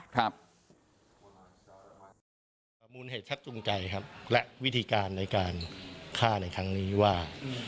ประมูลเหตุชัดจูงใจครับและวิธีการในการฆ่าในครั้งนี้ว่า